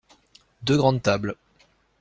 Deux grandes tables.